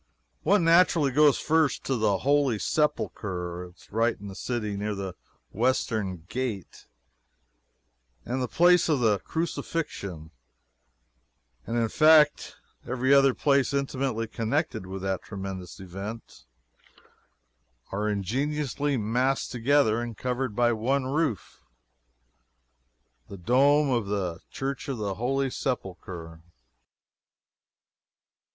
One naturally goes first to the Holy Sepulchre. It is right in the city, near the western gate; it and the place of the Crucifixion, and, in fact, every other place intimately connected with that tremendous event, are ingeniously massed together and covered by one roof the dome of the Church of the Holy Sepulchre.